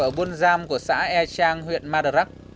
ở buôn giam của xã e trang huyện madarak